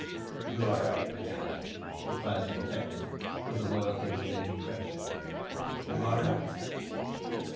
"You are right, madame," replied the detective, with a loyalty that did him credit, "you are right.